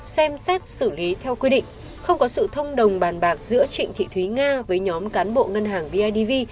cơ quan điều tra xác định không có sự thông đồng bàn bạc giữa trịnh thị thúy nga với nhóm cán bộ ngân hàng bidv